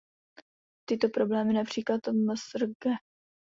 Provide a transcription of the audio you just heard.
Tyto problémy například Msgre.